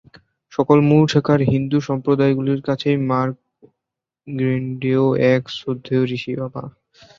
সকল মূল শাখার হিন্দু সম্প্রদায়গুলির কাছেই মার্কণ্ডেয় এক শ্রদ্ধেয় ঋষি।